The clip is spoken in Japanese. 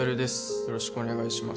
よろしくお願いします